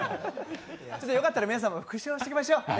よかったら皆さんも復唱していきましょう。